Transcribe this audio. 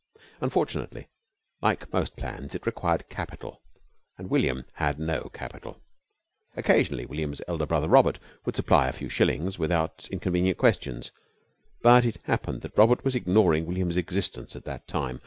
Unfortunately, like most plans, it required capital, and William had no capital. Occasionally William's elder brother Robert would supply a few shillings without inconvenient questions, but it happened that Robert was ignoring William's existence at that time.